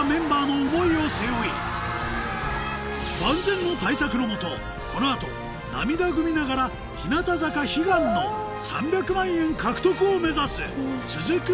これまでの下この後涙ぐみながら日向坂悲願の３００万円獲得を目指す続く